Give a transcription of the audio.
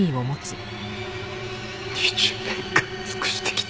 ２０年間尽くしてきた！